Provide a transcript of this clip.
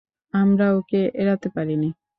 আমরা ওকে এড়াতে পারিনি।